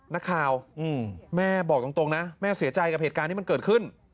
นักข่าวแม่บอกตรงนะแม่เสียใจกับเหตุการณ์ที่มันเกิดขึ้น